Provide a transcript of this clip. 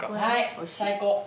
はい最高。